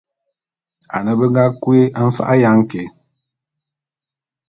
Ane be nga kui mfa'a ya nké.